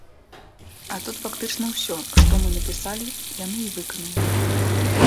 А тут фактычна ўсё, што мы напісалі, яны і выканалі.